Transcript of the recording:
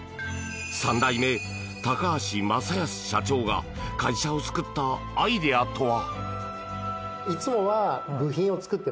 ３代目、高橋雅泰社長が会社を救ったアイデアとは？